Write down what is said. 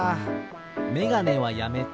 メガネはやめて。